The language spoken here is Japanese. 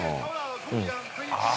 ああ。